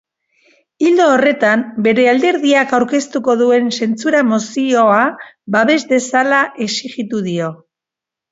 Ildo horretan, bere alderdiak aurkeztuko duen zentsura-mozioa babes dezala exijitu dio.